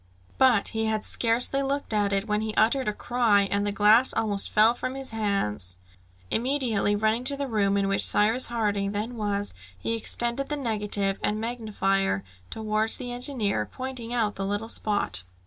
But he had scarcely looked at it, when he uttered a cry, and the glass almost fell from his hands. Immediately running to the room in which Cyrus Harding then was, he extended the negative and magnifier towards the engineer, pointing out the little spot.